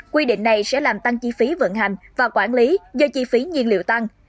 quy định này sẽ làm tăng chi phí vận hành và quản lý do chi phí nhiên liệu tăng